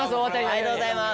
ありがとうございます。